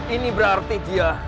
ini berarti dia